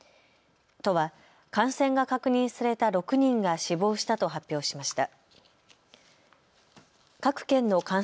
都は感染が確認された６人が死亡したと発表しました。